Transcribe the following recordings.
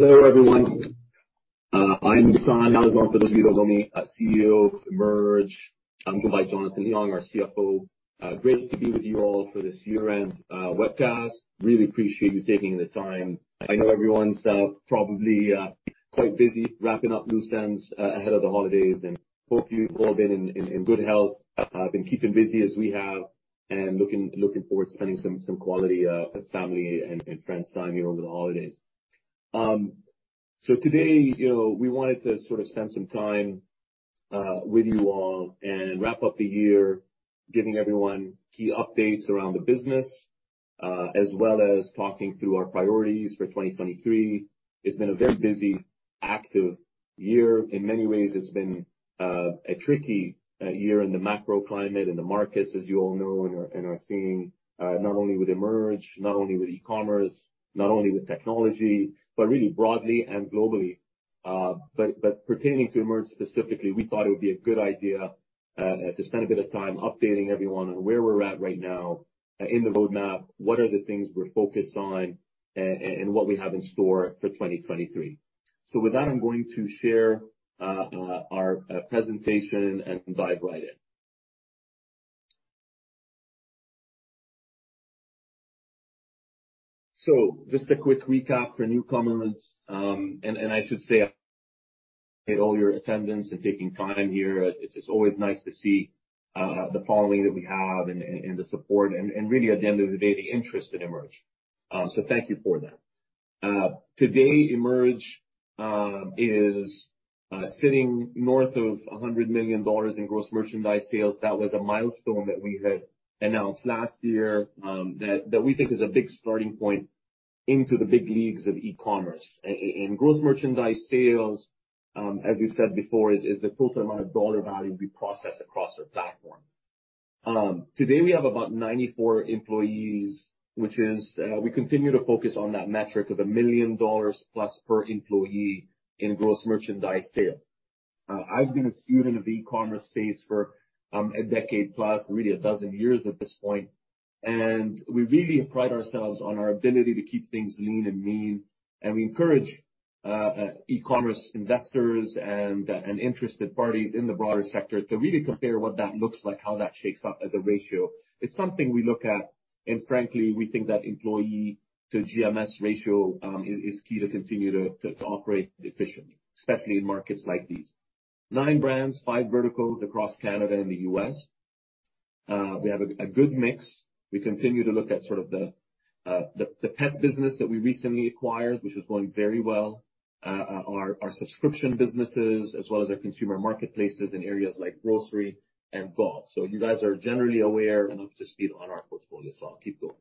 Hello, everyone. I'm Ghassan Halazon, for those of you who don't know me, CEO of EMERGE. I'm joined by Jonathan Leong, our CFO. Great to be with you all for this year-end webcast. Really appreciate you taking the time. I know everyone's probably quite busy wrapping up loose ends ahead of the holidays, and hope you've all been in good health, been keeping busy as we have and looking forward to spending some quality family and friend time here over the holidays. Today, you know, we wanted to sort of spend some time with you all and wrap up the year, giving everyone key updates around the business, as well as talking through our priorities for 2023. It's been a very busy, active year. In many ways, it's been a tricky year in the macro climate, in the markets, as you all know and are seeing, not only with EMERGE, not only with e-commerce, not only with technology, but really broadly and globally. Pertaining to EMERGE specifically, we thought it would be a good idea to spend a bit of time updating everyone on where we're at right now in the roadmap, what are the things we're focused on and what we have in store for 2023. With that, I'm going to share our presentation and dive right in. Just a quick recap for newcomers, and I should say all your attendance and taking time here. It's always nice to see the following that we have and the support and really at the end of the day, the interest in EMERGE. Thank you for that. Today, EMERGE is sitting north of 100 million dollars in gross merchandise sales. That was a milestone that we had announced last year that we think is a big starting point into the big leagues of e-commerce. Gross merchandise sales, as we've said before, is the total amount of dollar value we process across our platform. Today we have about 94 employees, which we continue to focus on that metric of 1 million dollars+ per employee in gross merchandise sales. I've been a student of the e-commerce space for a decade plus, really 12 years at this point. We really pride ourselves on our ability to keep things lean and mean. We encourage e-commerce investors and interested parties in the broader sector to really compare what that looks like, how that shakes up as a ratio. It's something we look at. Frankly, we think that employee to GMS ratio is key to continue to operate efficiently, especially in markets like these. nine brands, five verticals across Canada and the U.S. We have a good mix. We continue to look at sort of the pet business that we recently acquired, which is going very well. Our subscription businesses, as well as our consumer marketplaces in areas like grocery and golf. You guys are generally aware and up to speed on our portfolio, so I'll keep going.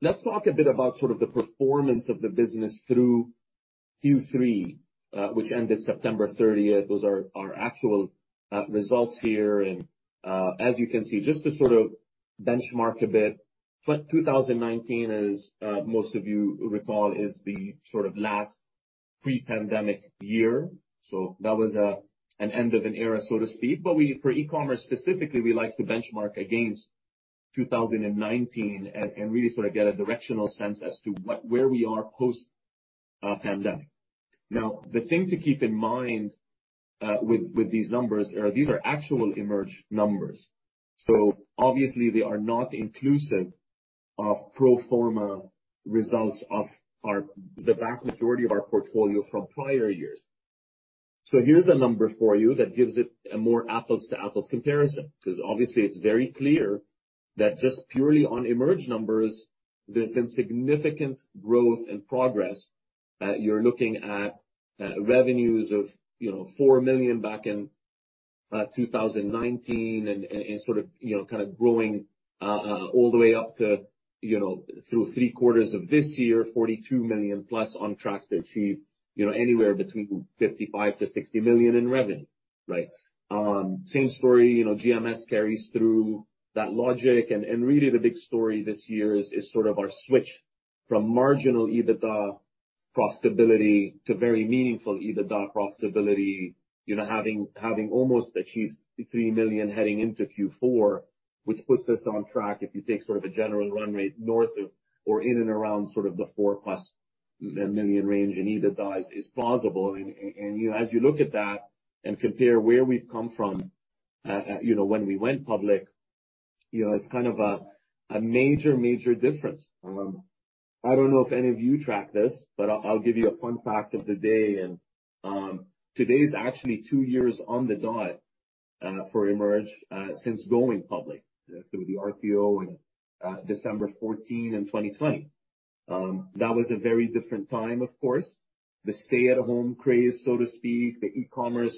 Let's talk a bit about sort of the performance of the business through Q3, which ended September 30th. Those are our actual results here. As you can see, just to sort of benchmark a bit, 2019, as most of you recall, is the sort of last pre-pandemic year. That was an end of an era, so to speak. For e-commerce specifically, we like to benchmark against 2019 and really sort of get a directional sense as to where we are post pandemic. The thing to keep in mind, with these numbers are these are actual EMERGE numbers. Obviously they are not inclusive of pro forma results of the vast majority of our portfolio from prior years. Here's a number for you that gives it a more apples to apples comparison, 'cause obviously it's very clear that just purely on EMERGE numbers, there's been significant growth and progress. You're looking at, you know, revenues of 4 million back in 2019 and sort of, you know, kind of growing all the way up to, you know, through 3 quarters of this year, 42 million+ on track to achieve, you know, anywhere between 55 million-60 million in revenue, right? Same story, you know, GMS carries through that logic. Really the big story this year is sort of our switch from marginal EBITDA profitability to very meaningful EBITDA profitability. You know, having almost achieved 3 million heading into Q4, which puts us on track if you take sort of a general run rate north of or in and around sort of the 4+ million range in EBITDA is plausible. You know, as you look at that and compare where we've come from, you know, when we went public, you know, it's kind of a major difference. I don't know if any of you track this, but I'll give you a fun fact of the day and today's actually 2 years on the dot for EMERGE since going public through the RTO in December 14 in 2020. That was a very different time, of course. The stay-at-home craze, so to speak, the e-commerce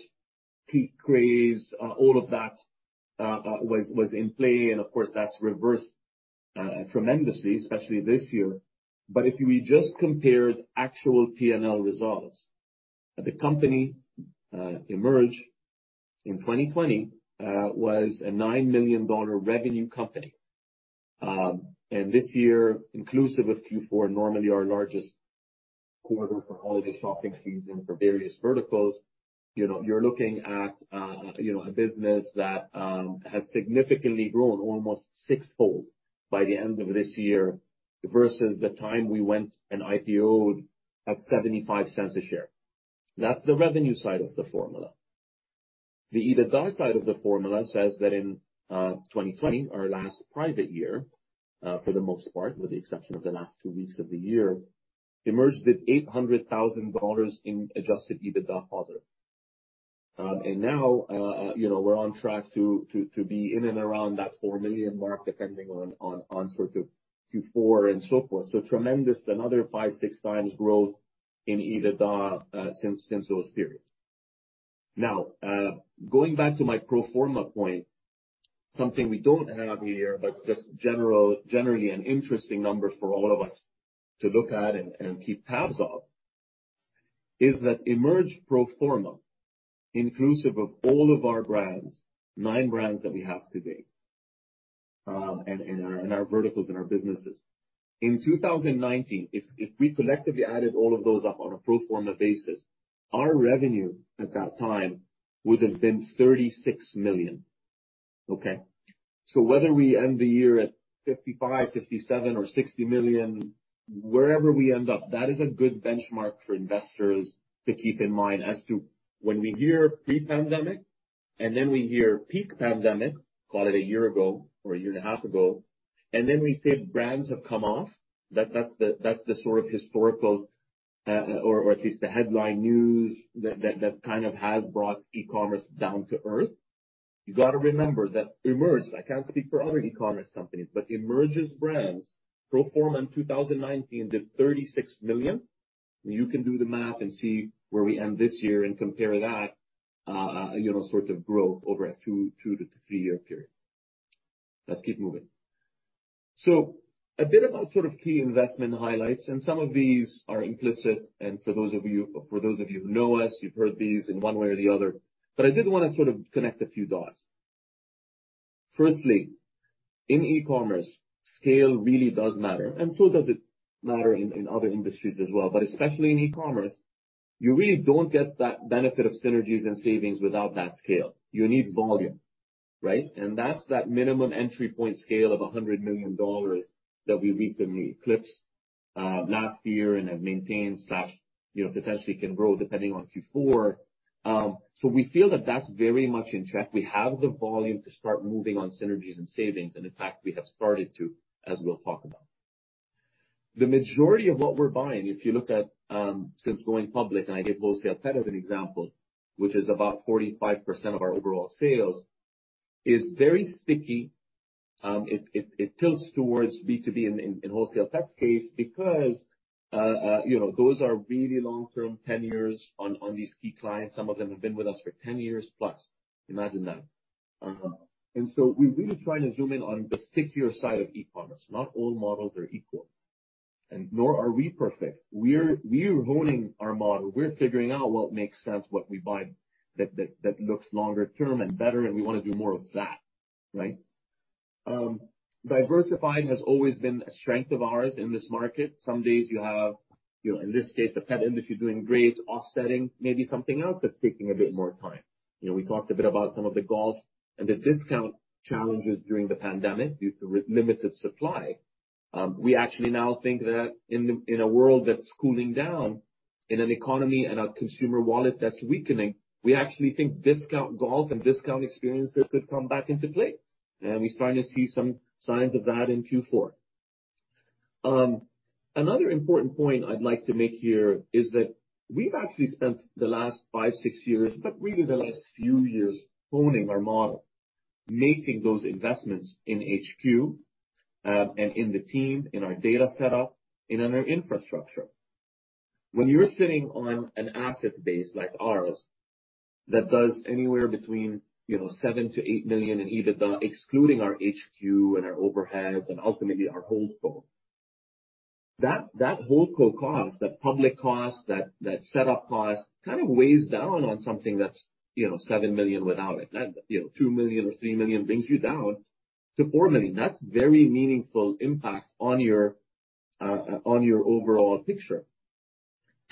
peak craze, all of that was in play, and of course, that's reversed tremendously, especially this year. If you just compared actual P&L results, the company, EMERGE, in 2020, was a 9 million dollar revenue company. This year, inclusive of Q4, normally our largest quarter for holiday shopping season for various verticals. You know, you're looking at, you know, a business that has significantly grown almost sixfold by the end of this year versus the time we went and IPO'd at 0.75 a share. That's the revenue side of the formula. The EBITDA side of the formula says that in 2020, our last private year, for the most part, with the exception of the last two weeks of the year, EMERGE with 800,000 dollars in adjusted EBITDA factor. Now, you know, we're on track to be in and around that 4 million mark, depending on sort of Q4 and so forth. Tremendous, another 5/6x growth in EBITDA since those periods. Now, going back to my pro forma point, something we don't have here, but just generally an interesting number for all of us to look at and keep tabs of is that EMERGE pro forma, inclusive of all of our brands, nine brands that we have today, and our verticals and our businesses. In 2019, if we collectively added all of those up on a pro forma basis, our revenue at that time would have been 36 million. Okay. Whether we end the year at 55 million, 57 million or 60 million, wherever we end up, that is a good benchmark for investors to keep in mind as to when we hear pre-pandemic and then we hear peak pandemic, call it a year ago or a year and a half ago, and then we say brands have come off. That's the sort of historical, or at least the headline news that kind of has brought e-commerce down to earth. You gotta remember that EMERGE, I can't speak for other e-commerce companies, but EMERGE's brands pro forma in 2019 did 36 million. You can do the math and see where we end this year and compare that, you know, sort of growth over a two to three-year period. Let's keep moving. A bit about sort of key investment highlights, and some of these are implicit, and for those of you who know us, you've heard these in one way or the other, but I did want to sort of connect a few dots. Firstly, in e-commerce, scale really does matter, and so does it matter in other industries as well. But especially in e-commerce, you really don't get that benefit of synergies and savings without that scale. You need volume, right? And that's that minimum entry point scale of 100 million dollars that we recently eclipsed last year and have maintained slash, you know, potentially can grow depending on Q4. We feel that that's very much in check. We have the volume to start moving on synergies and savings, and in fact, we have started to, as we'll talk about. The majority of what we're buying, if you look at, since going public, and I give WholesalePet as an example, which is about 45% of our overall sales, is very sticky. It tilts towards B2B in WholesalePet's case because, you know, those are really long-term tenures on these key clients. Some of them have been with us for 10+ years. Imagine that. We're really trying to zoom in on the stickier side of e-commerce. Not all models are equal, and nor are we perfect. We're honing our model. We're figuring out what makes sense, what we buy that looks longer term and better, and we wanna do more of that, right? Diversifying has always been a strength of ours in this market. Some days you have, you know, in this case, the pet industry doing great, offsetting maybe something else that's taking a bit more time. You know, we talked a bit about some of the golf and the discount challenges during the pandemic due to limited supply. We actually now think that in a world that's cooling down, in an economy and a consumer wallet that's weakening, we actually think discount golf and discount experiences could come back into play. We're starting to see some signs of that in Q4. Another important point I'd like to make here is that we've actually spent the last five, six years, but really the last few years honing our model, making those investments in HQ and in the team, in our data setup and in our infrastructure. When you're sitting on an asset base like ours that does anywhere between, you know, 7 million-8 million in EBITDA, excluding our HQ and our overheads and ultimately our holdco. That holdco cost, that public cost, that setup cost, kind of weighs down on something that's, you know, 7 million without it. That, you know, 2 million or 3 million brings you down to 4 million. That's very meaningful impact on your overall picture.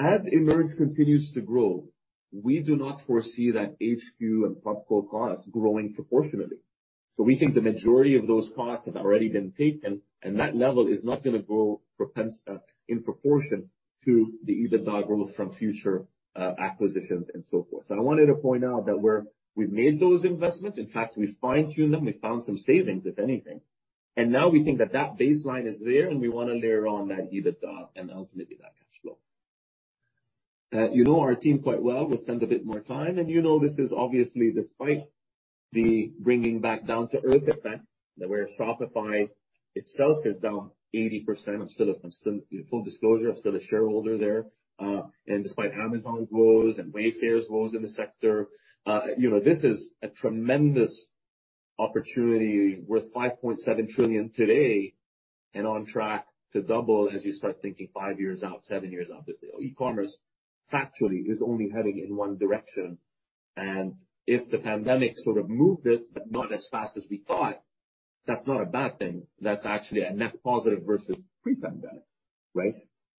EMERGE continues to grow, we do not foresee that HQ and public cost growing proportionately. We think the majority of those costs have already been taken, and that level is not gonna grow in proportion to the EBITDA growth from future acquisitions and so forth. I wanted to point out that we've made those investments. In fact, we've fine-tuned them. We found some savings, if anything. Now we think that that baseline is there, and we wanna layer on that EBITDA and ultimately that cash flow. You know our team quite well. We'll spend a bit more time. You know this is obviously despite the bringing back down to earth effect, that where Shopify itself is down 80%. Full disclosure, I'm still a shareholder there. Despite Amazon's woes and Wayfair's woes in the sector, you know, this is a tremendous opportunity worth 5.7 trillion today and on track to double as you start thinking 5 years out, 7 years out. E-commerce factually is only heading in one direction. If the pandemic sort of moved it, but not as fast as we thought. That's not a bad thing. That's actually a net positive versus pre-pandemic, right?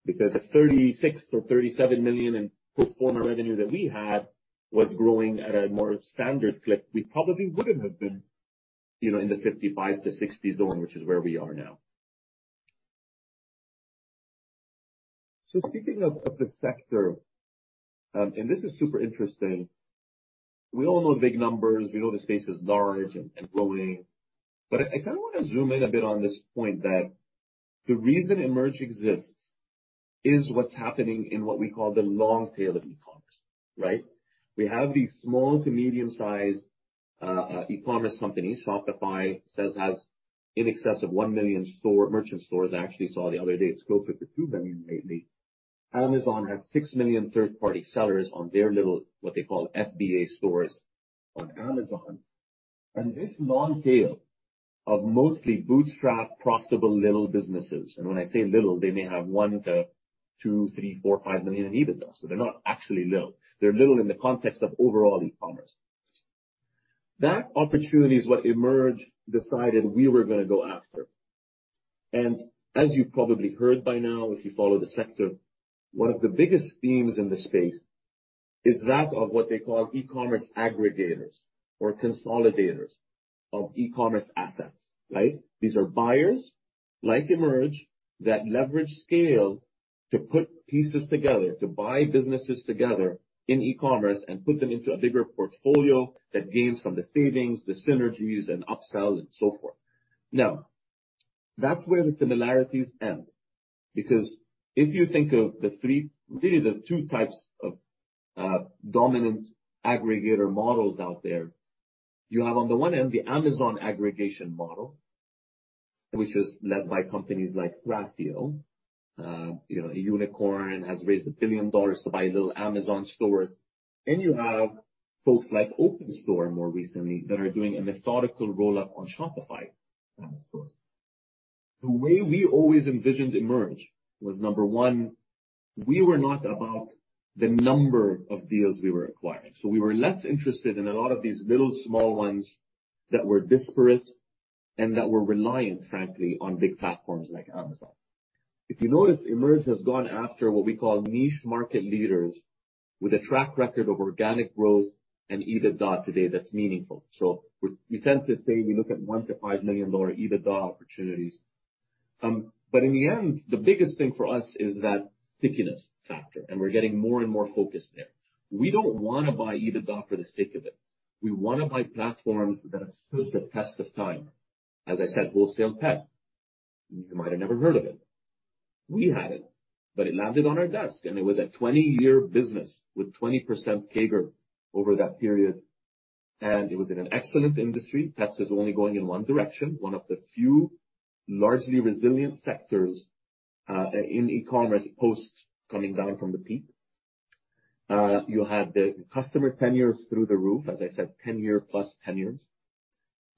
The 36 million or 37 million in pro forma revenue that we had was growing at a more standard clip. We probably wouldn't have been, you know, in the 55-60 zone, which is where we are now. Speaking of the sector, this is super interesting. We all know big numbers. We know the space is large and growing. I kinda wanna zoom in a bit on this point that the reason EMERGE exists is what's happening in what we call the long tail of e-commerce, right? We have these small to medium-sized e-commerce companies. Shopify says has in excess of 1 million merchant stores. I actually saw the other day it's close to 2 million lately. Amazon has 6 million third-party sellers on their little, what they call FBA stores on Amazon. This long tail of mostly bootstrap, profitable little businesses, and when I say little, they may have 1-2 million, 3 million, 4 million, 5 million in EBITDA, so they're not actually little. They're little in the context of overall e-commerce. That opportunity is what EMERGE decided we were gonna go after. As you probably heard by now, if you follow the sector, one of the biggest themes in the space is that of what they call e-commerce aggregators or consolidators of e-commerce assets, right? These are buyers like EMERGE that leverage scale to put pieces together, to buy businesses together in e-commerce and put them into a bigger portfolio that gains from the savings, the synergies and upsell and so forth. That's where the similarities end. If you think of really the two types of dominant aggregator models out there, you have on the one end, the Amazon aggregation model, which is led by companies like Thrasio. You know, a unicorn has raised $1 billion to buy little Amazon stores. You have folks like OpenStore more recently that are doing a methodical roll-up on Shopify stores. The way we always envisioned EMERGE was, number one, we were not about the number of deals we were acquiring. We were less interested in a lot of these little small ones that were disparate and that were reliant, frankly, on big platforms like Amazon. If you notice, EMERGE has gone after what we call niche market leaders with a track record of organic growth and EBITDA today that's meaningful. We tend to say we look at 1 million-5 million dollar EBITDA opportunities. In the end, the biggest thing for us is that stickiness factor, and we're getting more and more focused there. We don't wanna buy EBITDA for the sake of it. We wanna buy platforms that have stood the test of time. As I said, WholesalePet, you might have never heard of it. We hadn't. It landed on our desk, and it was a 20-year business with 20% CAGR over that period, and it was in an excellent industry. Pets is only going in one direction, one of the few largely resilient sectors, in e-commerce post coming down from the peak. You had the customer tenures through the roof, as I said, 10+ year tenures.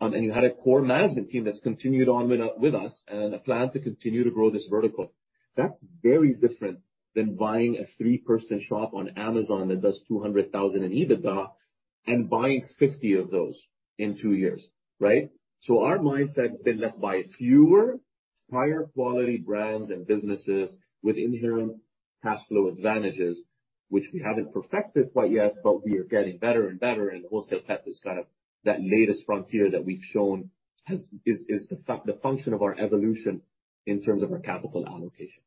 You had a core management team that's continued on with us and a plan to continue to grow this vertical. That's very different than buying a 3-person shop on Amazon that does 200,000 in EBITDA and buying 50 of those in 2 years, right? Our mindset has been, let's buy fewer, higher quality brands and businesses with inherent cash flow advantages, which we haven't perfected quite yet, but we are getting better and better, and WholesalePet is kind of that latest frontier that we've shown is the function of our evolution in terms of our capital allocation.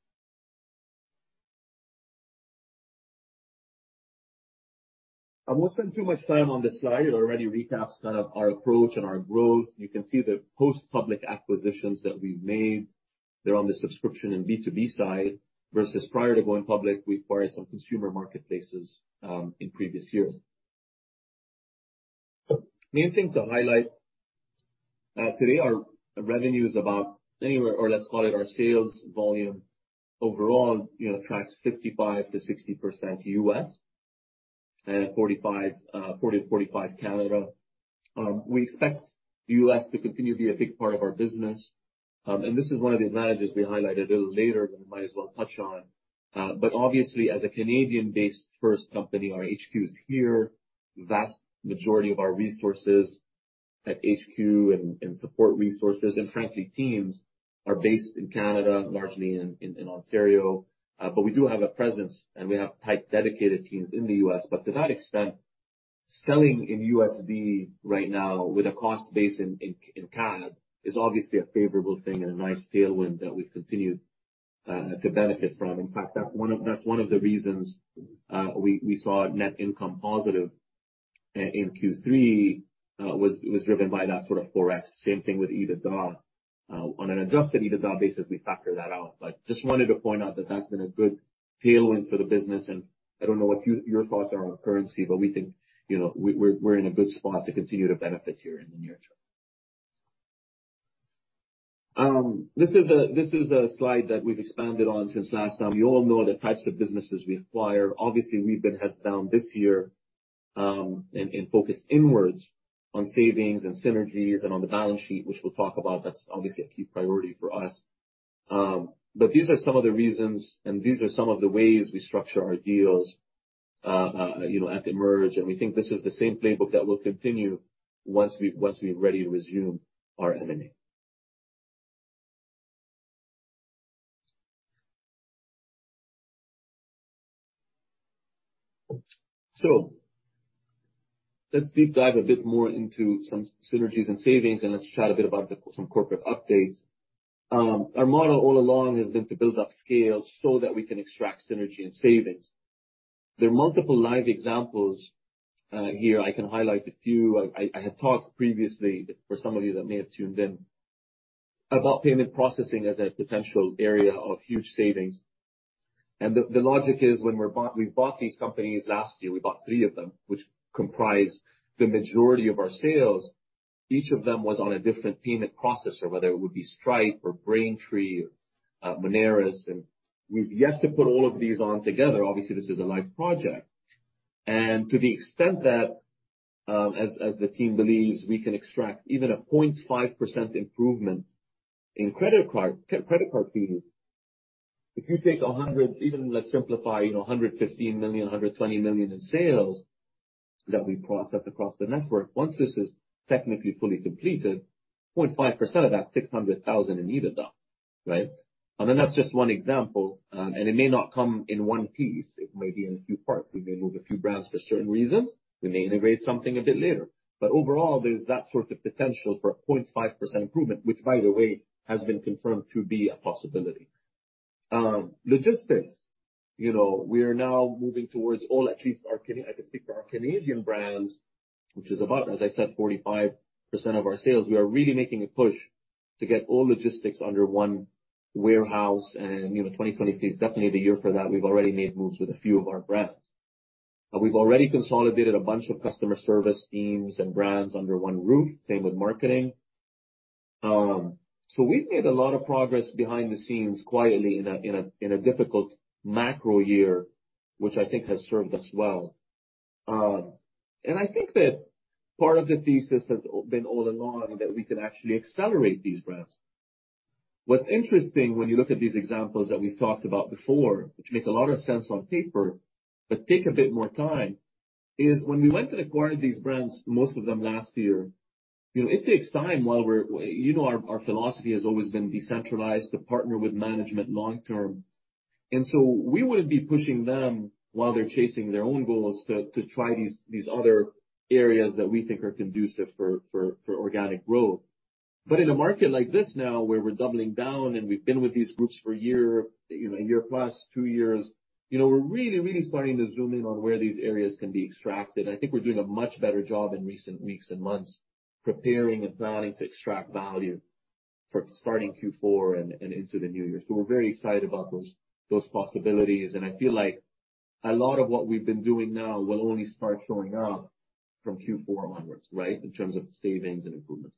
I won't spend too much time on this slide. It already recaps kind of our approach and our growth. You can see the post-public acquisitions that we've made. They're on the subscription and B2B side, versus prior to going public, we acquired some consumer marketplaces in previous years. Main thing to highlight, today our revenue is about anywhere or let's call it our sales volume overall, you know, tracks 55%-60% U.S. and 40-45% Canada. We expect U.S. to continue to be a big part of our business. This is one of the advantages we highlight a little later that I might as well touch on. Obviously, as a Canadian-based first company, our HQ is here. Vast majority of our resources at HQ and support resources, and frankly, teams are based in Canada, largely in Ontario. We do have a presence and we have tight, dedicated teams in the U.S. To that extent, selling in USD right now with a cost base in CAD is obviously a favorable thing and a nice tailwind that we've continued to benefit from. In fact, that's one of the reasons we saw net income positive in Q3 was driven by that sort of ForEx. Same thing with EBITDA. On an adjusted EBITDA basis, we factor that out. Just wanted to point out that that's been a good tailwind for the business. I don't know what your thoughts are on currency, but we think, you know, we're in a good spot to continue to benefit here in the near term. This is a slide that we've expanded on since last time. You all know the types of businesses we acquire. Obviously, we've been heads down this year, and focused inwards on savings and synergies and on the balance sheet, which we'll talk about. That's obviously a key priority for us. These are some of the reasons, and these are some of the ways we structure our deals. You know, at EMERGE, and we think this is the same playbook that will continue once we, once we're ready to resume our M&A. Let's deep dive a bit more into some synergies and savings, and let's chat a bit about some corporate updates. Our model all along has been to build up scale so that we can extract synergy and savings. There are multiple live examples here. I can highlight a few. I had talked previously for some of you that may have tuned in about payment processing as a potential area of huge savings. The logic is when we bought these companies last year, we bought three of them, which comprise the majority of our sales. Each of them was on a different payment processor, whether it would be Stripe or Braintree or Moneris. We've yet to put all of these on together. Obviously, this is a live project. To the extent that, as the team believes, we can extract even a 0.5% improvement in credit card fees. If you take even let's simplify, you know, 115 million, 120 million in sales that we process across the network. Once this is technically fully completed, 0.5% of that, 600,000 in EBITDA, right? That's just one example. It may not come in one piece. It may be in a few parts. We may move a few brands for certain reasons. We may integrate something a bit later. Overall, there's that sort of potential for a 0.5% improvement, which, by the way, has been confirmed to be a possibility. Logistics, you know, we are now moving towards all at least our Canadian brands, which is about, as I said, 45% of our sales. We are really making a push to get all logistics under one warehouse and, you know, 2023 is definitely the year for that. We've already made moves with a few of our brands. We've already consolidated a bunch of customer service teams and brands under one roof. Same with marketing. We've made a lot of progress behind the scenes quietly in a difficult macro year, which I think has served us well. I think that part of the thesis has been all along that we can actually accelerate these brands. What's interesting when you look at these examples that we've talked about before, which make a lot of sense on paper, but take a bit more time, is when we went and acquired these brands, most of them last year. You know, it takes time. You know, our philosophy has always been decentralized to partner with management long term. So we wouldn't be pushing them while they're chasing their own goals to try these other areas that we think are conducive for organic growth. In a market like this now, where we're doubling down, and we've been with these groups for a year, you know, 1+ year, 2 years, you know, we're really starting to zoom in on where these areas can be extracted. I think we're doing a much better job in recent weeks and months preparing and planning to extract value for starting Q4 and into the new year. We're very excited about those possibilities. I feel like a lot of what we've been doing now will only start showing up from Q4 onwards, right, in terms of savings and improvements.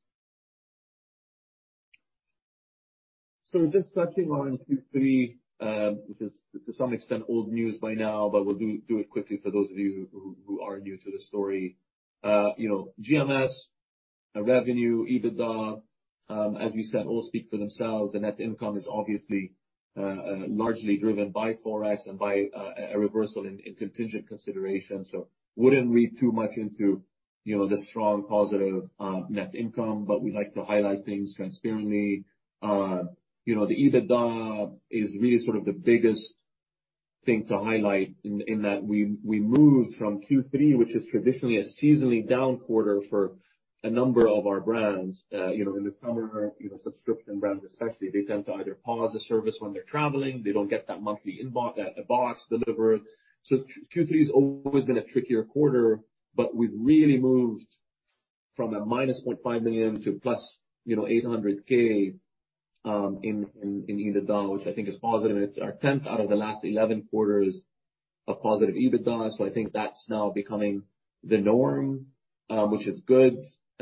Just touching on Q3, which is to some extent old news by now, but we'll do it quickly for those of you who are new to the story. You know, GMS, revenue, EBITDA, as you said, all speak for themselves. The net income is obviously, largely driven by Forex and by a reversal in contingent consideration. Wouldn't read too much into, you know, the strong positive net income, but we like to highlight things transparently. You know, the EBITDA is really sort of the biggest thing to highlight in that we moved from Q3, which is traditionally a seasonally down quarter for a number of our brands. You know, in the summer, you know, subscription brands especially, they tend to either pause the service when they're traveling, they don't get that monthly inbox, the box delivered. Q3 has always been a trickier quarter, but we've really moved from -0.5 million to +800K in EBITDA, which I think is positive. It's our tenth out of the last 11 quarters of positive EBITDA.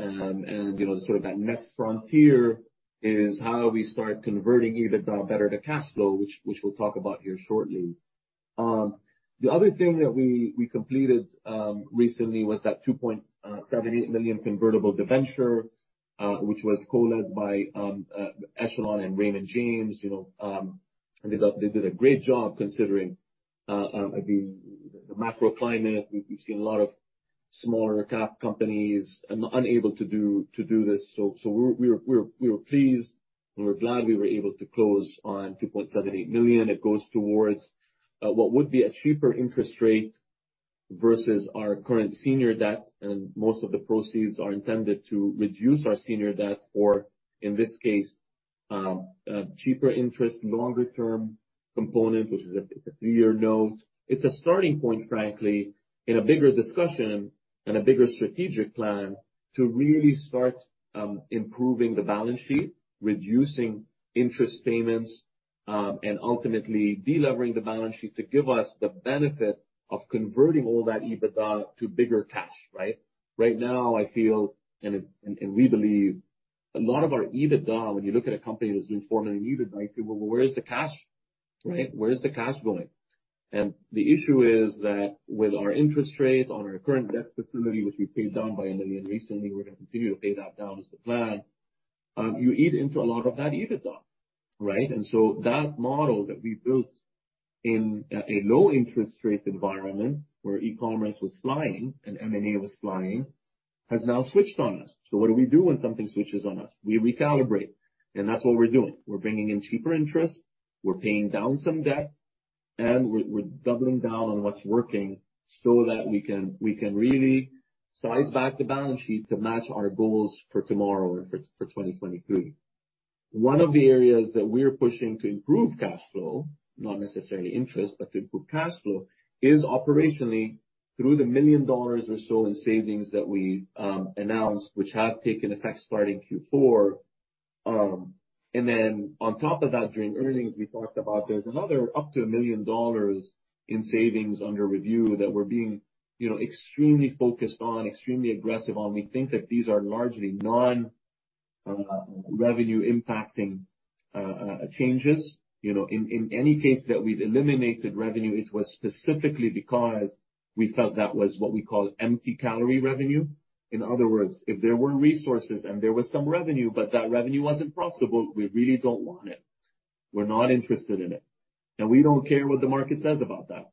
I think that's now becoming the norm, which is good. You know, sort of that next frontier is how we start converting EBITDA better to cash flow, which we'll talk about here shortly. The other thing that we completed recently was that 2.78 million convertible debenture, which was co-led by Echelon and Raymond James. You know, they did a great job considering the macro climate. We've seen a lot of smaller cap companies unable to do this. We're pleased and we're glad we were able to close on 2.78 million. It goes towards what would be a cheaper interest rate versus our current senior debt. Most of the proceeds are intended to reduce our senior debt or in this case, cheaper interest and longer term component, which is a three-year note. It's a starting point, frankly, in a bigger discussion and a bigger strategic plan to really start improving the balance sheet, reducing interest payments, and ultimately delevering the balance sheet to give us the benefit of converting all that EBITDA to bigger cash, right? Right now, I feel, and we believe a lot of our EBITDA, when you look at a company that's been forming an EBITDA, you say, "Well, where is the cash?" Right? Where is the cash going? The issue is that with our interest rates on our current debt facility, which we paid down by 1 million recently, we're gonna continue to pay that down as the plan. You eat into a lot of that EBITDA, right? That model that we built in a low interest rate environment where e-commerce was flying and M&A was flying, has now switched on us. What do we do when something switches on us? We recalibrate, and that's what we're doing. We're bringing in cheaper interest, we're paying down some debt, and we're doubling down on what's working so that we can really size back the balance sheet to match our goals for tomorrow and for 2023. One of the areas that we're pushing to improve cash flow, not necessarily interest, but to improve cash flow, is operationally through the 1 million dollars or so in savings that we announced, which have taken effect starting Q4. On top of that, during earnings, we talked about there's another up to 1 million dollars in savings under review that we're being, you know, extremely focused on, extremely aggressive on. We think that these are largely non revenue impacting changes. You know, in any case that we've eliminated revenue, it was specifically because we felt that was what we call empty calorie revenue. In other words, if there were resources and there was some revenue, but that revenue wasn't profitable, we really don't want it. We're not interested in it. We don't care what the market says about that,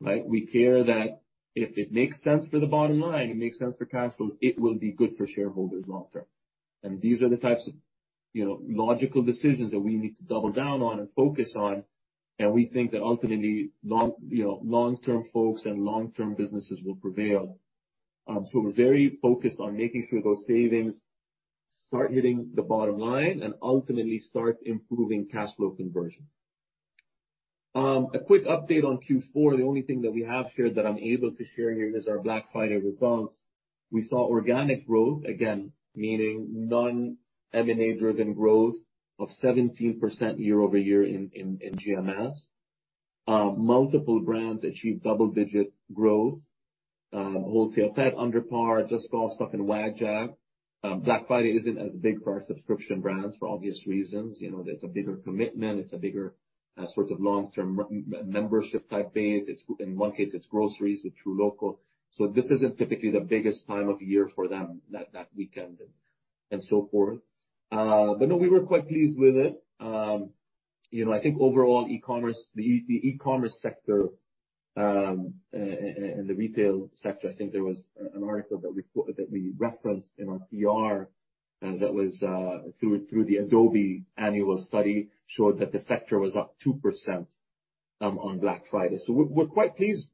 right? We care that if it makes sense for the bottom line, it makes sense for cash flows, it will be good for shareholders long term. These are the types of, you know, logical decisions that we need to double down on and focus on. We think that ultimately long, you know, long-term folks and long-term businesses will prevail. We're very focused on making sure those savings start hitting the bottom line and ultimately start improving cash flow conversion. A quick update on Q4. The only thing that we have shared, that I'm able to share here is our Black Friday results. We saw organic growth, again, meaning non-M&A-driven growth of 17% year-over-year in GMS. Multiple brands achieved double-digit growth. WholesalePet.com, UnderPar, JustGolfStuff, and WagJag. Black Friday isn't as big for our subscription brands for obvious reasons. You know, it's a bigger commitment. It's a bigger, sort of long-term membership type base. In one case, it's groceries with truLOCAL. This isn't typically the biggest time of year for them, that weekend and so forth. We were quite pleased with it. You know, I think overall e-commerce, the e-commerce sector, and the retail sector, I think there was an article that we referenced in our PR, that was through the Adobe annual study, showed that the sector was up 2% on Black Friday. We're quite pleased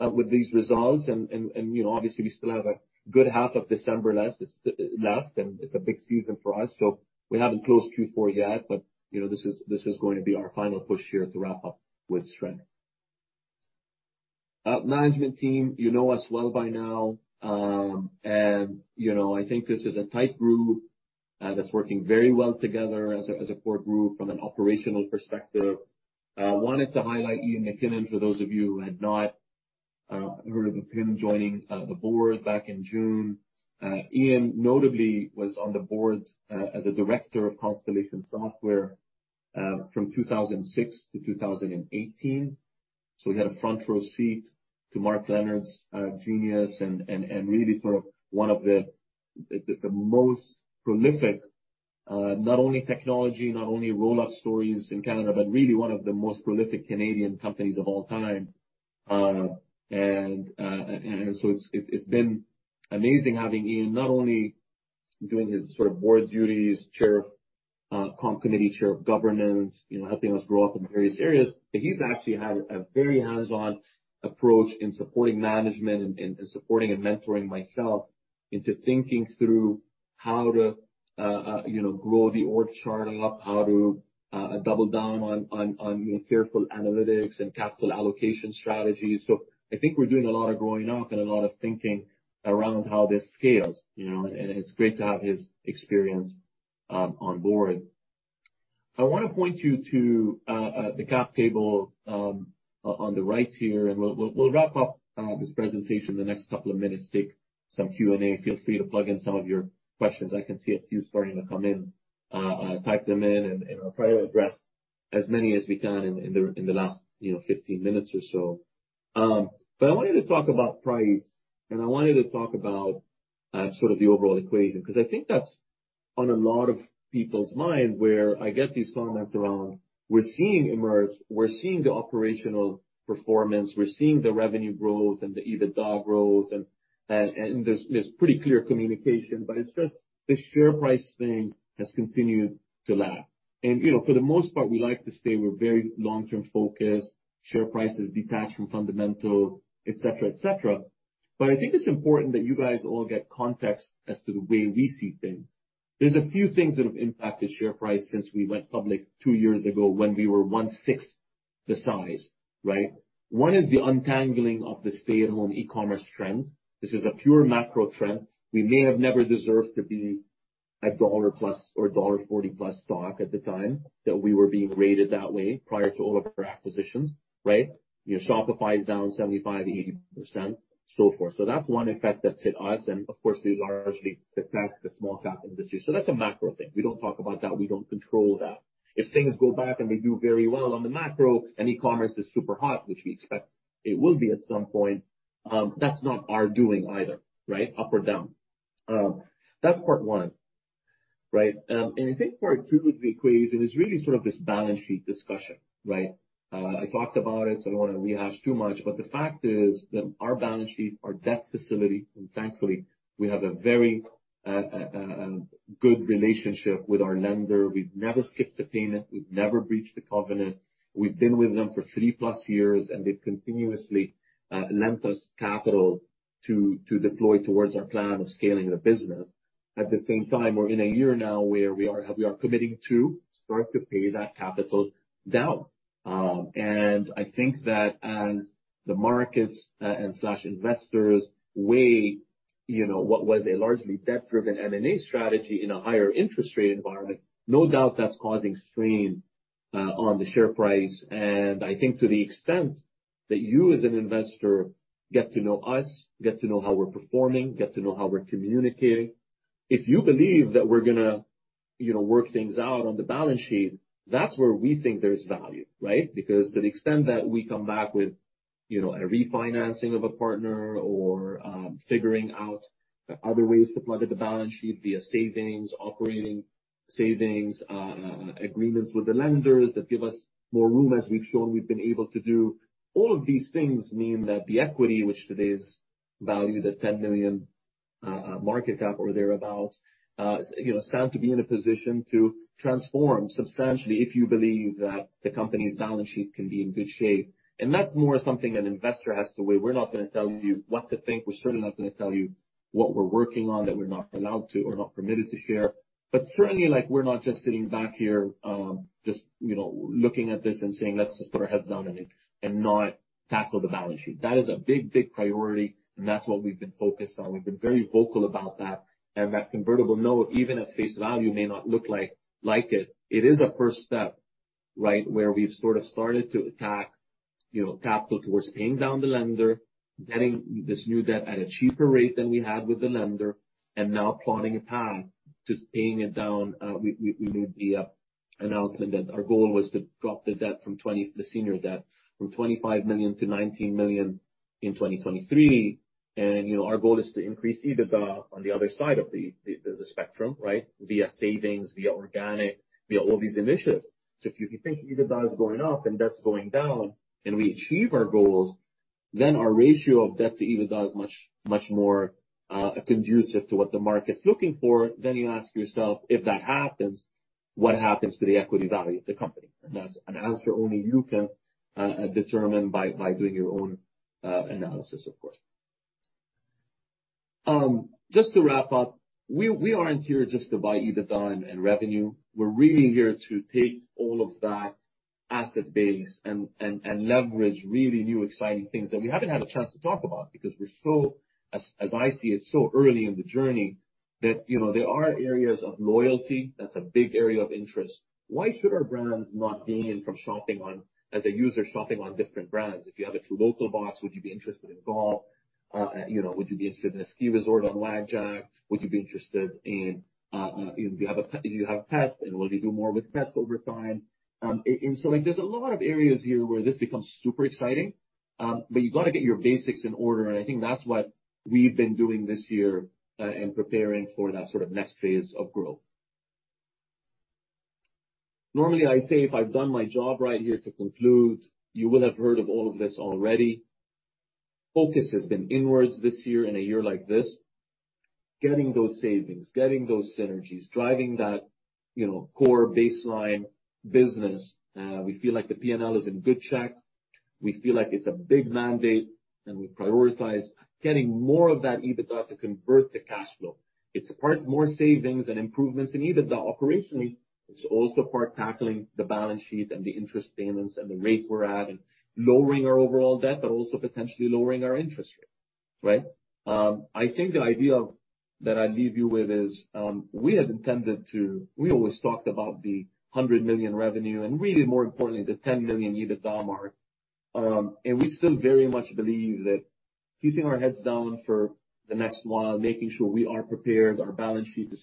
with these results. You know, obviously we still have a good half of December last, and it's a big season for us, so we haven't closed Q4 yet. You know, this is going to be our final push here to wrap up with strength. Management team, you know us well by now. You know, I think this is a tight group that's working very well together as a core group from an operational perspective. Wanted to highlight Ian McKinnon for those of you who had not heard of him joining the board back in June. Ian notably was on the board as a director of Constellation Software from 2006 to 2018. He had a front row seat to Mark Leonard's genius and really sort of one of the most prolific, not only technology, not only roll-up stories in Canada, but really one of the most prolific Canadian companies of all time. It's been amazing having Ian not only doing his sort of board duties, chair, comp committee, chair of governance, you know, helping us grow up in various areas, but he's actually had a very hands-on approach in supporting management and supporting and mentoring myself into thinking through how to, you know, grow the org chart up, how to double down on field-level analytics and capital allocation strategies. I think we're doing a lot of growing up and a lot of thinking around how this scales, you know, and it's great to have his experience on board. I wanna point you to the cap table on the right here, and we'll wrap up this presentation in the next couple of minutes, take some Q&A. Feel free to plug in some of your questions. I can see a few starting to come in. Type them in and I'll try to address as many as we can in the last, you know, 15 minutes or so. I wanted to talk about price, and I wanted to talk about sort of the overall equation, because I think that's on a lot of people's mind where I get these comments around, we're seeing EMERGE, we're seeing the operational performance, we're seeing the revenue growth and the EBITDA growth and pretty clear communication, but it's just the share price thing has continued to lag. You know, for the most part, we like to say we're very long-term focused. Share price is detached from fundamental, et cetera, et cetera. I think it's important that you guys all get context as to the way we see things. There's a few things that have impacted share price since we went public two years ago when we were 1/6 the size, right? One is the untangling of the stay-at-home e-commerce trend. This is a pure macro trend. We may have never deserved to be a $1+ or $1.40+ stock at the time that we were being rated that way prior to all of our acquisitions, right? You know, Shopify is down 75%, 80%, so forth. That's one effect that's hit us, and of course, we largely attract the small cap industry. That's a macro thing. We don't talk about that. We don't control that. If things go back and they do very well on the macro and e-commerce is super hot, which we expect it will be at some point, that's not our doing either, right? Up or down. That's part one. Right. I think part two of the equation is really sort of this balance sheet discussion, right? I talked about it, so I don't wanna rehash too much, but the fact is that our balance sheet, our debt facility, and thankfully, we have a very good relationship with our lender. We've never skipped a payment. We've never breached a covenant. We've been with them for 3+ years, and they've continuously lent us capital to deploy towards our plan of scaling the business. At the same time, we're in a year now where we are committing to start to pay that capital down. I think that as the markets and slash investors weigh, you know, what was a largely debt-driven M&A strategy in a higher interest rate environment, no doubt that's causing strain on the share price. I think to the extent that you as an investor get to know us, get to know how we're performing, get to know how we're communicating, if you believe that we're gonna, you know, work things out on the balance sheet, that's where we think there's value, right? To the extent that we come back with, you know, a refinancing of a partner or figuring out other ways to plug at the balance sheet via savings, operating savings, agreements with the lenders that give us more room, as we've shown we've been able to do, all of these things mean that the equity, which today is valued at 10 million market cap or thereabout, you know, stand to be in a position to transform substantially if you believe that the company's balance sheet can be in good shape. That's more something an investor has to weigh. We're not gonna tell you what to think. We're certainly not gonna tell you what we're working on that we're not allowed to or not permitted to share. Certainly, like, we're not just sitting back here, just, you know, looking at this and saying, "Let's just put our heads down and not tackle the balance sheet." That is a big, big priority, and that's what we've been focused on. We've been very vocal about that. That convertible note, even at face value, may not look like it. It is a first step, right? Where we've sort of started to attack, you know, capital towards paying down the lender, getting this new debt at a cheaper rate than we had with the lender, and now plotting a path to paying it down. We made the announcement that our goal was to drop the debt from the senior debt from 25 million to 19 million in 2023. You know, our goal is to increase EBITDA on the other side of the spectrum, right? Via savings, via organic, via all these initiatives. If you think EBITDA is going up and debt's going down, and we achieve our goals, then our ratio of debt to EBITDA is much, much more conducive to what the market's looking for. You ask yourself, if that happens, what happens to the equity value of the company? That's an answer only you can determine by doing your own analysis, of course. Just to wrap up, we aren't here just to buy EBITDA and revenue. We're really here to take all of that asset base and leverage really new, exciting things that we haven't had a chance to talk about because we're so, as I see it, so early in the journey that, you know, there are areas of loyalty. That's a big area of interest. Why should our brands not gain from shopping on... as a user shopping on different brands? If you have a truLOCAL box, would you be interested in golf? you know, would you be interested in a ski resort on WagJag? Would you be interested in, you know, do you have pets, and will you do more with pets over time? Like, there's a lot of areas here where this becomes super exciting, but you gotta get your basics in order, and I think that's what we've been doing this year, in preparing for that sort of next phase of growth. Normally, I say if I've done my job right here to conclude, you will have heard of all of this already. Focus has been inwards this year, in a year like this. Getting those savings, getting those synergies, driving that, you know, core baseline business. We feel like the P&L is in good shape. We feel like it's a big mandate, and we prioritize getting more of that EBITDA to convert to cash flow. It's part more savings and improvements in EBITDA operationally. It's also part tackling the balance sheet and the interest payments and the rates we're at and lowering our overall debt, but also potentially lowering our interest rate, right? I think the idea of... that I leave you with is, we always talked about the 100 million revenue, and really more importantly, the 10 million EBITDA mark. We still very much believe that keeping our heads down for the next while, making sure we are prepared, our balance sheet is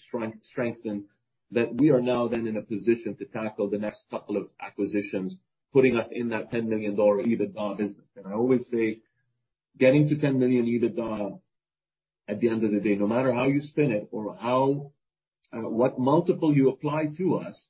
strengthened, that we are now then in a position to tackle the next couple of acquisitions, putting us in that 10 million dollar EBITDA business. I always say getting to $10 million EBITDA at the end of the day, no matter how you spin it or how what multiple you apply to us,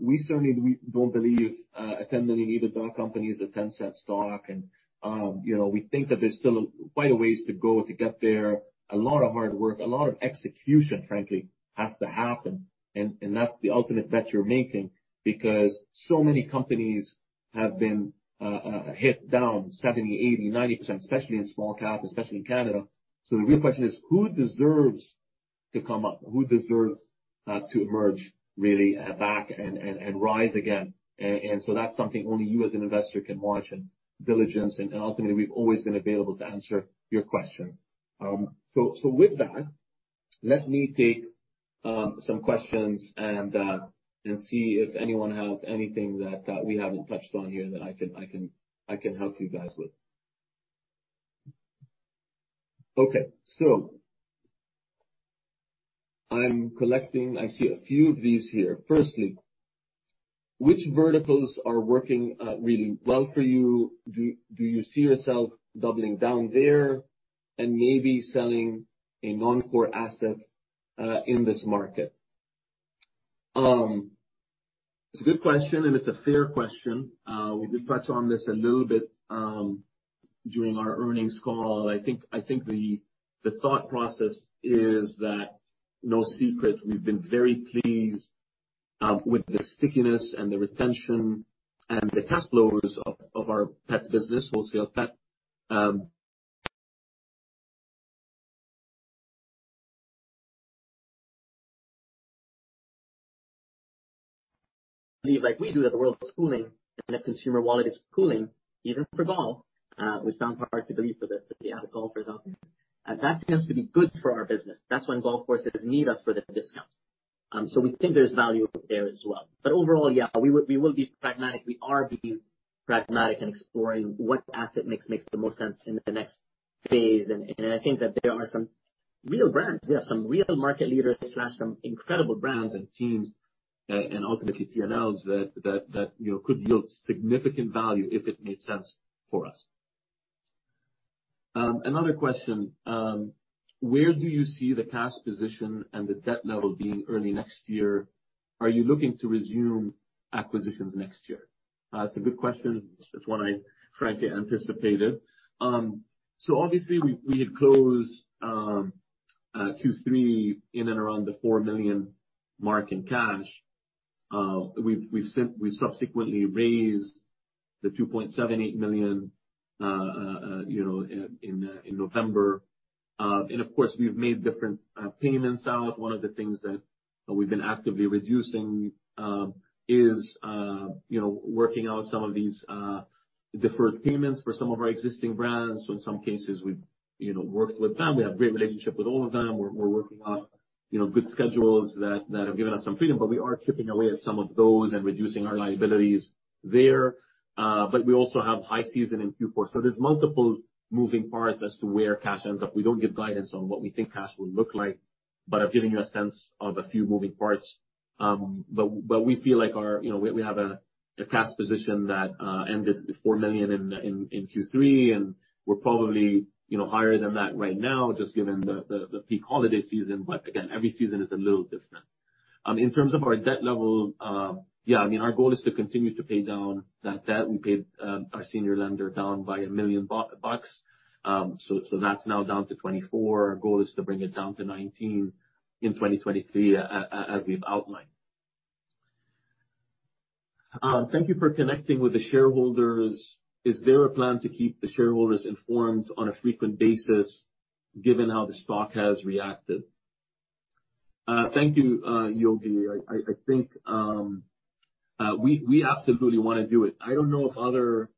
we certainly don't believe a $10 million EBITDA company is a $0.10 stock. You know, we think that there's still quite a ways to go to get there. A lot of hard work, a lot of execution, frankly, has to happen. That's the ultimate bet you're making because so many companies have been hit down 70%, 80%, 90%, especially in small cap, especially in Canada. The real question is, who deserves to come up? Who deserves to emerge really back and rise again? That's something only you as an investor can watch in diligence, and ultimately, we've always been available to answer your questions. With that, let me take some questions and see if anyone has anything that we haven't touched on here that I can help you guys with. Okay. I'm collecting... I see a few of these here. Firstly, which verticals are working really well for you? Do you see yourself doubling down there and maybe selling a non-core asset in this market? It's a good question, and it's a fair question. We did touch on this a little bit during our earnings call. I think the thought process is that, no secret, we've been very pleased with the stickiness and the retention and the cash flows of our pet business, WholesalePet.com. Believe like we do that the world is cooling and the consumer wallet is cooling even for golf, which sounds hard to believe for the avid golfers out there. That tends to be good for our business. That's when golf courses need us for the discounts. We think there's value there as well. Overall, yeah, we will be pragmatic. We are being pragmatic and exploring what asset mix makes the most sense in the next phase. I think that there are some real brands. There are some real market leaders slash some incredible brands and teams, and ultimately TAMs that, you know, could yield significant value if it made sense for us. Another question. Where do you see the cash position and the debt level being early next year? Are you looking to resume acquisitions next year? It's a good question. It's one I frankly anticipated. Obviously we had closed, 2 3 in and around the 4 million mark in cash. We subsequently raised 2.78 million, you know, in November. Of course, we've made different payments out. One of the things that we've been actively reducing, you know, working out some of these deferred payments for some of our existing brands. In some cases we've, you know, worked with them. We have great relationships with all of them. We're working on, you know, good schedules that have given us some freedom, but we are chipping away at some of those and reducing our liabilities there. We also have high season in Q4. There's multiple moving parts as to where cash ends up. We don't give guidance on what we think cash will look like. I've given you a sense of a few moving parts. We feel like we have a cash position that ended at 4 million in Q3, and we're probably higher than that right now just given the peak holiday season. Again, every season is a little different. In terms of our debt level, our goal is to continue to pay down that debt. We paid our senior lender down by 1 million bucks. That's now down to 24 million. Our goal is to bring it down to 19 million in 2023, as we've outlined. Thank you for connecting with the shareholders. Is there a plan to keep the shareholders informed on a frequent basis given how the stock has reacted? Thank you, Yogi. I think we absolutely wanna do it. I don't know if other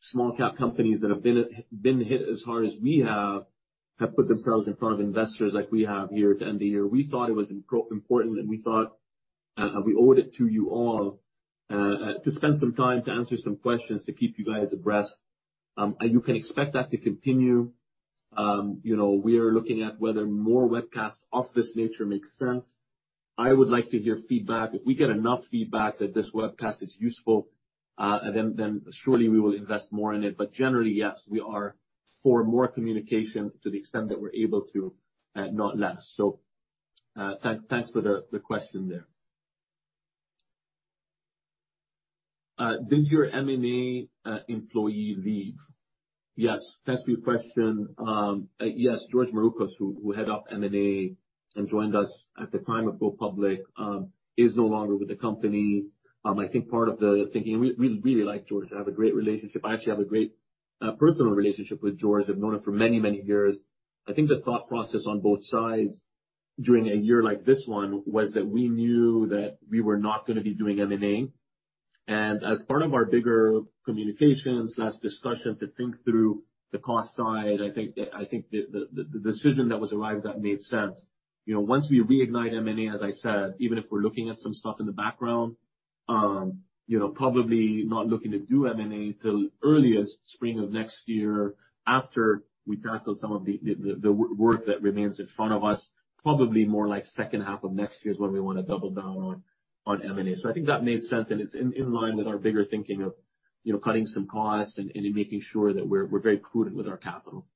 small cap companies that have been hit as hard as we have put themselves in front of investors like we have here to end the year. We thought it was important, and we thought we owed it to you all, to spend some time to answer some questions to keep you guys abreast. You can expect that to continue. You know, we are looking at whether more webcasts of this nature make sense. I would like to hear feedback. If we get enough feedback that this webcast is useful, then surely we will invest more in it. Generally, yes, we are for more communication to the extent that we're able to, not less. Thanks for the question there. Did your M&A employee leave? Yes. Thanks for your question. Yes, George Marouchos, who head up M&A and joined us at the time of go public, is no longer with the company. I think part of the thinking... We really like George. I have a great relationship. I actually have a great personal relationship with George. I've known him for many years. I think the thought process on both sides during a year like this one was that we knew that we were not gonna be doing M&A. As part of our bigger communications last discussion to think through the cost side, I think the decision that was arrived at made sense. You know, once we reignite M&A, as I said, even if we're looking at some stuff in the background, you know, probably not looking to do M&A till early as spring of next year after we tackle some of the work that remains in front of us. Probably more like second half of next year is when we wanna double down on M&A. I think that made sense, and it's in line with our bigger thinking of, you know, cutting some costs and making sure that we're very prudent with our capital.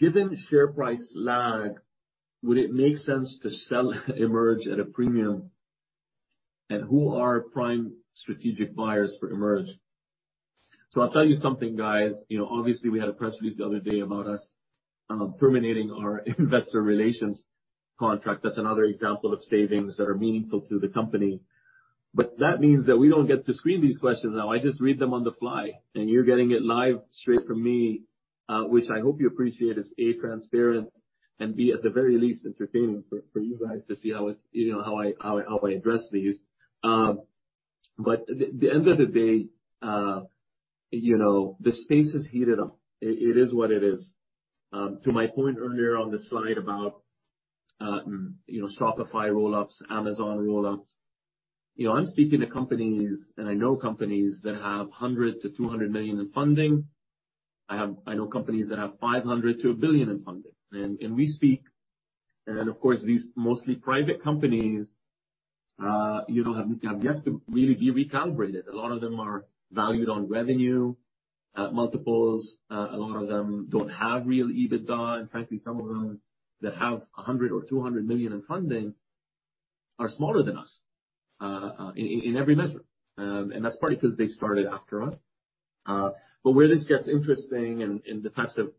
Given share price lag, would it make sense to sell EMERGE at a premium? Who are prime strategic buyers for EMERGE? I'll tell you something, guys. You know, obviously, we had a press release the other day about us terminating our investor relations contract. That's another example of savings that are meaningful to the company. That means that we don't get to screen these questions now. I just read them on the fly, and you're getting it live straight from me, which I hope you appreciate is, A, transparent, and B, at the very least, entertaining for you guys to see how I address these. At the end of the day, you know, the space is heated up. It is what it is. To my point earlier on the slide about, you know, Shopify roll-ups, Amazon roll-ups. I'm speaking to companies, I know companies that have 100 million-200 million in funding. I know companies that have 500 million-1 billion in funding. We speak, and of course, these mostly private companies have yet to really be recalibrated. A lot of them are valued on revenue multiples. A lot of them don't have real EBITDA. In fact, some of them that have 100 million or 200 million in funding are smaller than us in every measure. That's partly 'cause they started after us. Where this gets interesting and the types of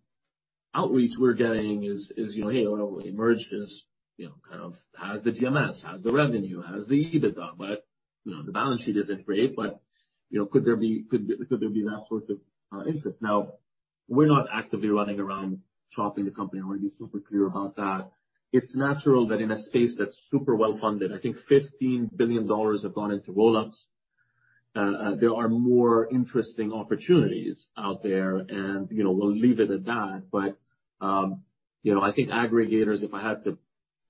outreach we're getting is, you know, "Hey, well, EMERGE is, you know, kind of has the GMS, has the revenue, has the EBITDA. But, you know, the balance sheet isn't great, but, you know, could there be that sort of interest?" We're not actively running around shopping the company. I wanna be super clear about that. It's natural that in a space that's super well-funded, I think 15 billion dollars have gone into roll-ups. There are more interesting opportunities out there and, you know, we'll leave it at that. You know, I think aggregators, if I had to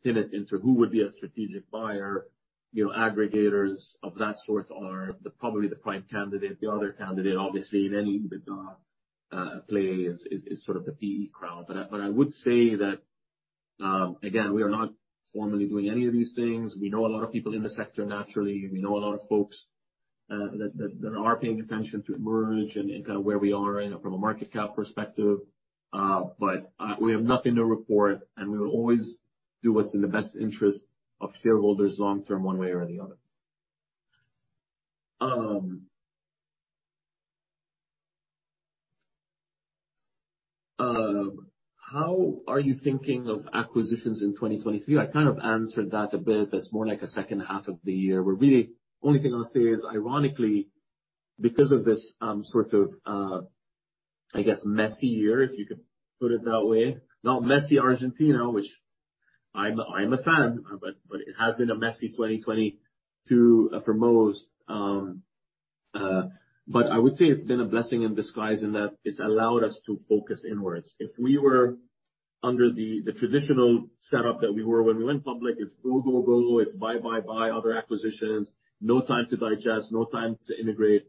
pin it into who would be a strategic buyer, you know, aggregators of that sort are the probably the prime candidate. The other candidate, obviously, in any EBITDA play is sort of the PE crowd. I would say that, again, we are not formally doing any of these things. We know a lot of people in the sector naturally, and we know a lot of folks that are paying attention to EMERGE and kind of where we are, you know, from a market cap perspective. We have nothing to report, and we will always do what's in the best interest of shareholders long term, one way or the other. How are you thinking of acquisitions in 2023? I kind of answered that a bit. That's more like a second half of the year, where really only thing I'll say is, ironically, because of this, sort of, I guess, messy year, if you could put it that way. Not Messi, Argentina, which I'm a fan. It has been a messy 2022, for most. But I would say it's been a blessing in disguise in that it's allowed us to focus inwards. If we were under the traditional setup that we were when we went public, it's go, go. It's buy, buy other acquisitions. No time to digest, no time to integrate.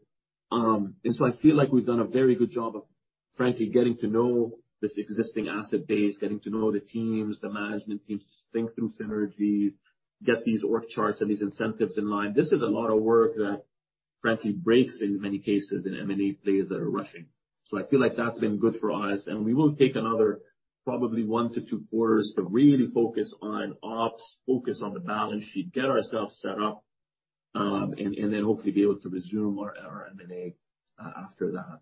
I feel like we've done a very good job of, frankly, getting to know this existing asset base, getting to know the teams, the management teams, to think through synergies, get these org charts and these incentives in line. This is a lot of work that frankly breaks in many cases in M&A plays that are rushing. I feel like that's been good for us, and we will take another probably one to two quarters to really focus on ops, focus on the balance sheet, get ourselves set up, and then hopefully be able to resume our M&A after that.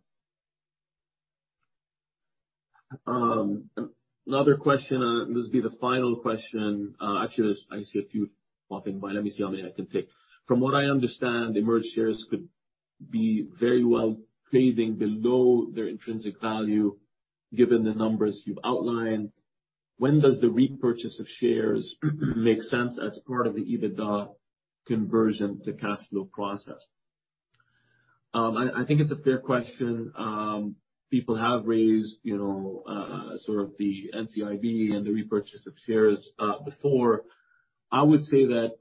Another question, this will be the final question. Actually, I see a few popping by. Let me see how many I can take. From what I understand, EMERGE shares could be very well trading below their intrinsic value, given the numbers you've outlined. When does the repurchase of shares make sense as part of the EBITDA conversion to cash flow process? I think it's a fair question. People have raised, you know, sort of the NCIB and the repurchase of shares before. I would say that,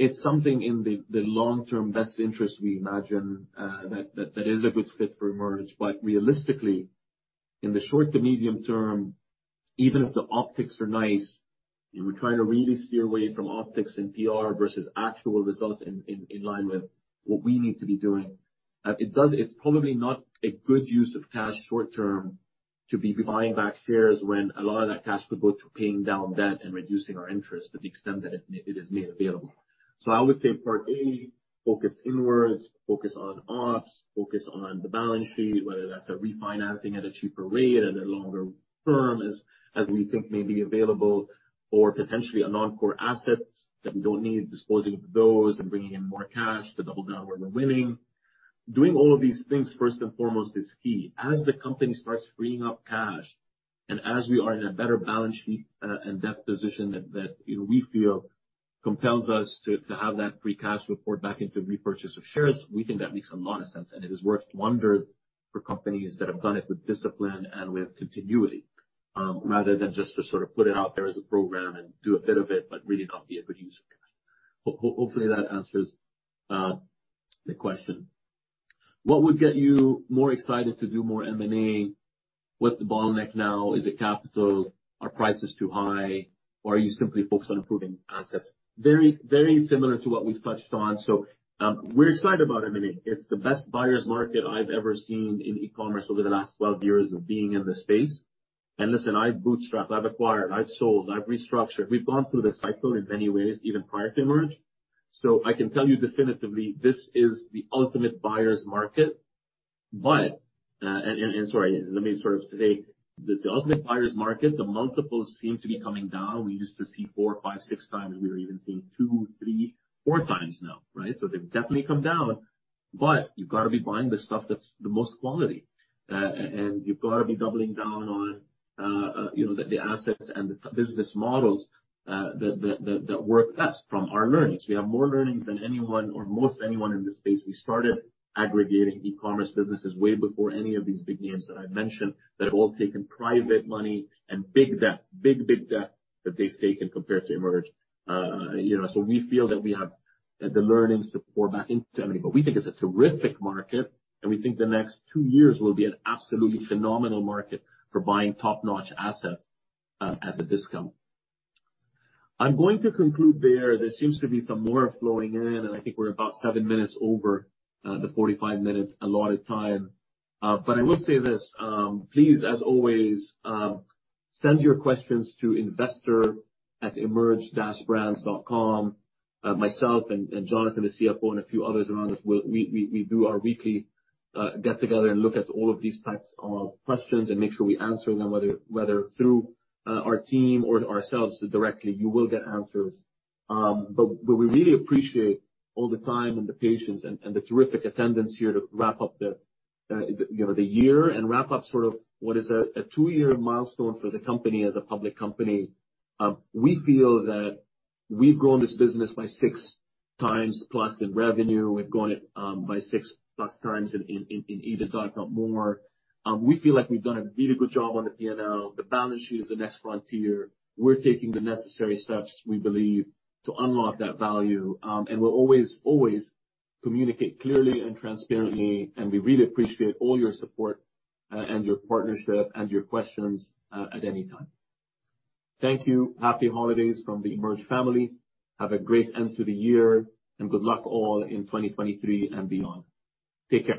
it's something in the long-term best interest we imagine, that is a good fit for EMERGE. Realistically, in the short to medium term, even if the optics are nice, and we're trying to really steer away from optics and PR versus actual results in line with what we need to be doing. It's probably not a good use of cash short term to be buying back shares when a lot of that cash could go to paying down debt and reducing our interest to the extent that it is made available. I would say part A, focus inwards, focus on ops, focus on the balance sheet, whether that's a refinancing at a cheaper rate and a longer term as we think may be available or potentially a non-core asset that we don't need, disposing of those and bringing in more cash to double down where we're winning. Doing all of these things first and foremost is key. As the company starts freeing up cash, and as we are in a better balance sheet and debt position that, you know, we feel compels us to have that free cash to report back into repurchase of shares, we think that makes a lot of sense, and it has worked wonders for companies that have done it with discipline and with continuity, rather than just to sort of put it out there as a program and do a bit of it, but really not be a good use of cash. Hopefully that answers the question. What would get you more excited to do more M&A? What's the bottleneck now? Is it capital? Are prices too high? Are you simply focused on improving assets? Very similar to what we've touched on. We're excited about M&A. It's the best buyer's market I've ever seen in e-commerce over the last 12 years of being in this space. Listen, I've bootstrapped, I've acquired, I've sold, I've restructured. We've gone through this cycle in many ways, even prior to EMERGE. I can tell you definitively, this is the ultimate buyer's market. Sorry, let me sort of say that the ultimate buyer's market, the multiples seem to be coming down. We used to see 4x, 5x, 6x. We are even seeing 2x, 3x, 4x now, right? They've definitely come down. You've gotta be buying the stuff that's the most quality. You've gotta be doubling down on, you know, the assets and the business models that work best from our learnings. We have more learnings than anyone or most anyone in this space. We started aggregating e-commerce businesses way before any of these big names that I've mentioned that have all taken private money and big debt. Big debt that they've taken compared to EMERGE. You know, we feel that we have the learnings to pour back into M&A. We think it's a terrific market, and we think the next two years will be an absolutely phenomenal market for buying top-notch assets at a discount. I'm going to conclude there. There seems to be some more flowing in, and I think we're about seven minutes over the 45 minutes allotted time. I will say this. Please, as always, send your questions to investor@emerge-commerce.com. Myself and Jonathan, the CFO, and a few others around us, we do our weekly get-together and look at all of these types of questions and make sure we answer them, whether through our team or ourselves directly, you will get answers. We really appreciate all the time and the patience and the terrific attendance here to wrap up the, you know, the year and wrap up sort of what is a 2-year milestone for the company as a public company. We feel that we've grown this business by 6+ times in revenue. We've grown it by 6+ times in EBITDA, if not more. We feel like we've done a really good job on the P&L. The balance sheet is the next frontier. We're taking the necessary steps, we believe, to unlock that value. We'll always communicate clearly and transparently. We really appreciate all your support, and your partnership and your questions, at any time. Thank you. Happy holidays from the EMERGE family. Have a great end to the year. Good luck all in 2023 and beyond. Take care.